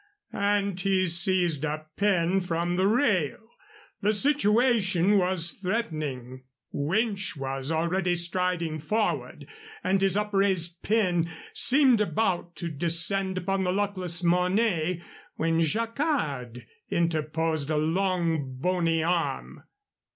and he seized a pin from the rail. The situation was threatening. Winch was already striding forward, and his upraised pin seemed about to descend upon the luckless Mornay when Jacquard interposed a long, bony arm.